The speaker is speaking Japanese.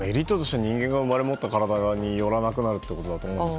人間が生まれ持った体によらなくなると思います。